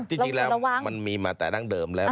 จริงแล้วมันมีมาแต่ดั้งเดิมแล้ว